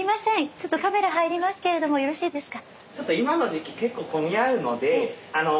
ちょっとカメラ入りますけれどもよろしいですか？